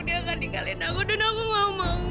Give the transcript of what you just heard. dia akan tinggalin aku dan aku nggak mau